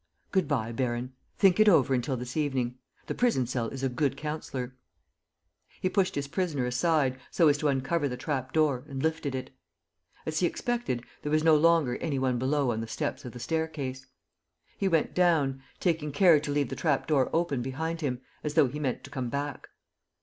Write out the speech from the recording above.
"Good bye, baron. Think it over until this evening. The prison cell is a good counsellor." He pushed his prisoner aside, so as to uncover the trap door, and lifted it. As he expected, there was no longer any one below on the steps of the staircase. He went down, taking care to leave the trap door open behind him, as though he meant to come back.